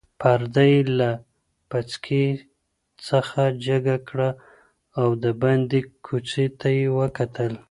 پرده یې له پیڅکې څخه جګه کړه او د باندې کوڅې ته یې وکتل.